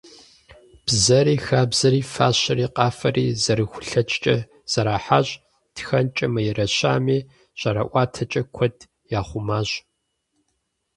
Бзэри, хабзэри, фащэри, къафэри зэрахулъэкӏкӏэ зэрахьащ, тхэнкӏэ мыерыщами, жьэрыӏуатэкӏэ куэд яхъумащ…